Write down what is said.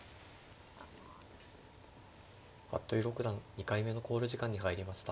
服部六段２回目の考慮時間に入りました。